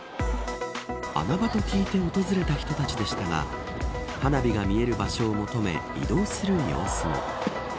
穴場と聞いて訪れた人たちでしたが花火が見える場所を求め移動する様子も。